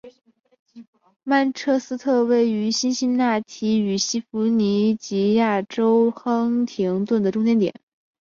曼彻斯特位于辛辛那提与西弗吉尼亚州亨廷顿的中间点。